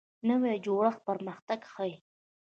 نوی جوړښت پرمختګ ښیي